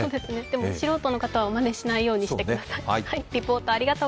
でも素人の方はまねしないようにしてください。